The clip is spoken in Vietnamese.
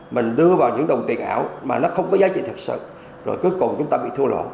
mình đưa vào những đồng tiền ảo mà nó không có giá trị thật sự rồi cuối cùng chúng ta bị thua lỗ